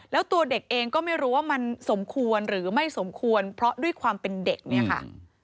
แล้วตัวเด็กเองก็ไม่รู้ว่ามันสมควรหรือไม่สมควรเพราะด้วยความเป็นเด็กเนี่ยค่ะ